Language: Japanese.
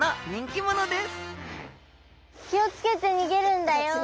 気を付けて逃げるんだよ。